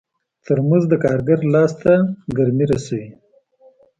ترموز د کارګر لاس ته ګرمي رسوي.